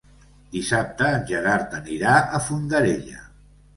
Dissabte en Gerard anirà a Fondarella.